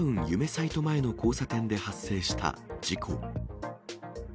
彩都前の交差点で発生した事故。